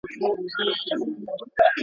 o موزي په بد راضي.